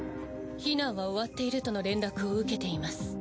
避難は終わっているとの連絡を受けています。